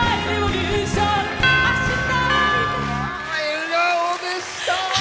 笑顔でした！